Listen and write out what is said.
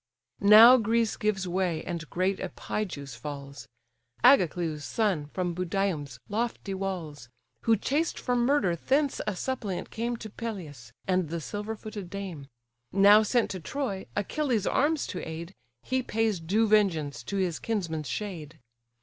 Now Greece gives way, and great Epigeus falls; Agacleus' son, from Budium's lofty walls; Who chased for murder thence a suppliant came To Peleus, and the silver footed dame; Now sent to Troy, Achilles' arms to aid, He pays due vengeance to his kinsman's shade.